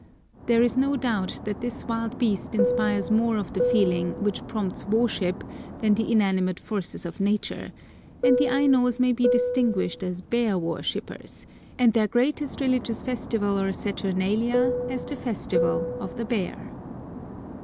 There is no doubt that this wild beast inspires more of the feeling which prompts worship than the inanimate forces of nature, and the Ainos may be distinguished as bear worshippers, and their greatest religious festival or Saturnalia as the Festival of the Bear.